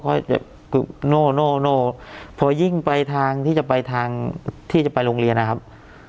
ก็จะโน่โน่พอยิ่งไปทางที่จะไปทางที่จะไปโรงเรียนนะครับ